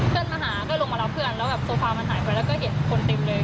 เพื่อนมาหาก็ลงมารับเพื่อนแล้วแบบโซฟามันหายไปแล้วก็เห็นคนเต็มเลย